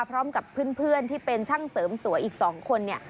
พร้อมกับเพื่อนที่เป็นช่างเสริมสวยอีก๒คน